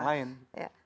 dan bahan daur ulas